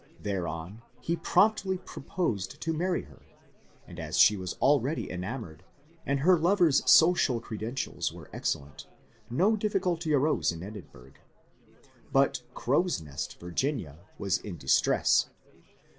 Thereon he promptly proposed to marry her ; and as she was already enamoured, and her lover's social credentials were excellent, no difficulty arose in Edinburgh. But " Crow's Nest," Vir ginia, was in distress.